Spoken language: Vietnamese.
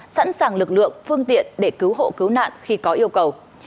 sẵn sàng lực lượng phương tiện để cứu hộ cứu nạn khi có yêu cầu